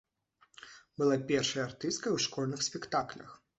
Была першай артысткай у школьных спектаклях.